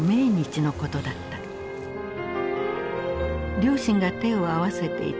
両親が手を合わせていた